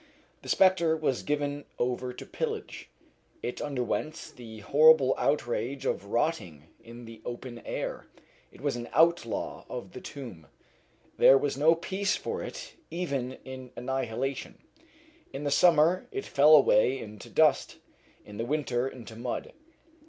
The spectre was given over to pillage. It underwent the horrible outrage of rotting in the open air; it was an outlaw of the tomb. There was no peace for it even in annihilation: in the summer it fell away into dust, in the winter into mud.